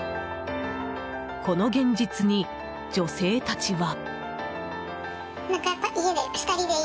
この現実に、女性たちは。